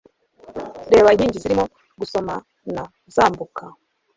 reba inkingi zirimo gusomana zambuka